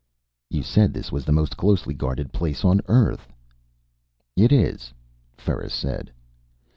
"You said this was the most closely guarded place on Earth?" "It is," Ferris said.